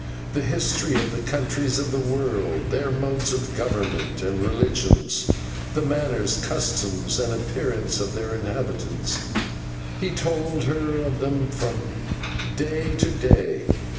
The history of the countries of the world, their modes of government and religions, the manners, customs, and appearance of their inhabitants he told her of them all from day to day.